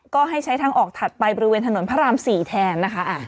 ก็ให้ใช้ทางออกถัดไปบริเวณถนนพระราม๔แทนนะคะ